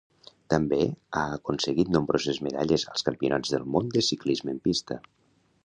També ha aconseguit nombroses medalles als Campionats del Món de Ciclisme en pista.